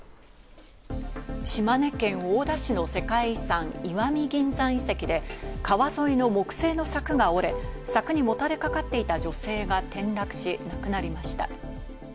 島根県大田市の世界遺産・石見銀山遺跡で川沿いの木製の柵が折れ、柵にもたれかかっていた女性が転落し、亡くなりました。